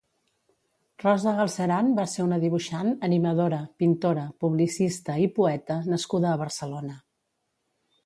Rosa Galcerán va ser una dibuixant, animadora, pintora, publicista i poeta nascuda a Barcelona.